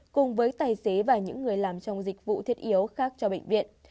cùng với tài xế và những người làm trong dịch vụ thiết yếu khác cho bệnh viện